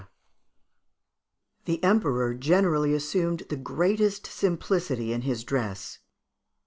The Emperor generally assumed the greatest simplicity in his dress.